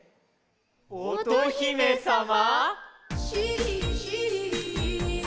おとひめさま